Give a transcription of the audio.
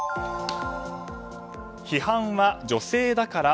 批判は女性だから？